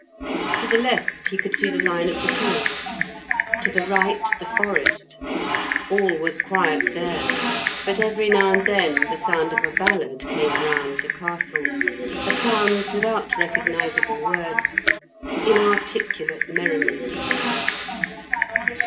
To the left he could see the line of the hills, to the right the forest; all was quiet there, but every now and then the sound of a ballad came round the castle, a sound without recognizable words, inarticulate merriment.